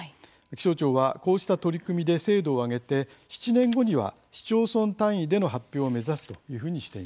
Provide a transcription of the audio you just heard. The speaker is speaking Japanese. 気象庁はこうした取り組みで精度を上げて７年後には市町村単位での発表を目指すというふうにしています。